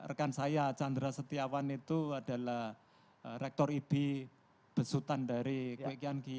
yang rekan saya chandra setiawan itu adalah rektor ib besutan dari kuy kanki